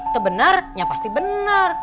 teh benar ya pasti benar